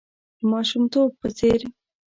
د ماشومتوب په څېر .